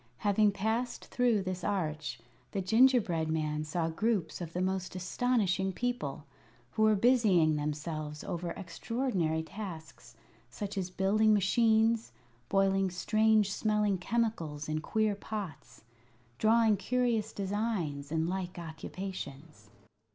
Having passed through this arch, the gingerbread man saw groups of the most astonishing people, who were busying themselves over extraordinary tasks, such as building machines, boiling strange smelling chemicals in queer pots, drawing curious designs, and like occupations.